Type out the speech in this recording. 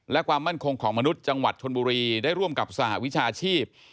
และความมั่นคงของมนุษย์จังหวัดชนบุรีได้ร่วมกับสหวิชาชีพ